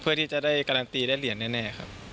เพื่อที่จะได้การันตีได้เหรียญแน่ครับ